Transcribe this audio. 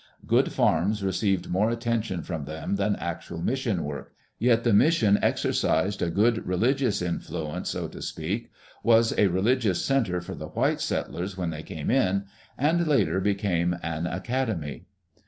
Good farms received more attention from them than actual mission work, yet the mission exer cized a good religious influence, so to speak, was a religious center for the white settlers when they came in, and later became an academy.